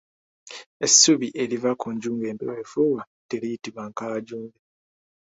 Essubi eriva ku nju ng'empewo efuuwa teriyitibwa nkaajumbe.